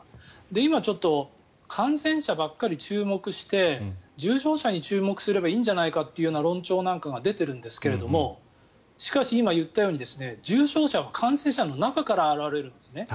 今ちょっと感染者ばっかり注目して重症者に注目すればいいんじゃないかという論調が出てるんですけどしかし、今言ったように重症者は感染者の中から現れるんですね。